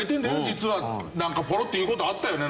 実は」なんかポロッと言う事あったよねなんかね。